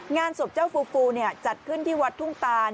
งานศพเจ้าฟูฟูจัดขึ้นที่วัดทุ่งตาน